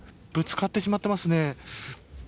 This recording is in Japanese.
ぶつかってしまっていますね。